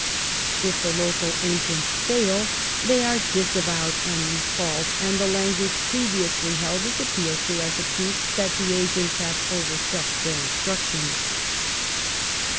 If the local agents fail, they are disavowed and recalled, and the language pre viously held is appealed to as a proof that the agents have overstepped their instructions.